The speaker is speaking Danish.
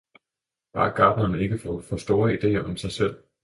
Bare gartneren ikke får for store ideer om sig selv!